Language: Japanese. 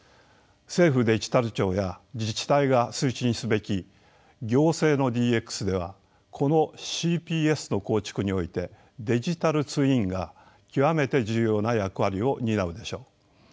政府デジタル庁や自治体が推進すべき行政のＤＸではこのＣＰＳの構築においてデジタルツインが極めて重要な役割を担うでしょう。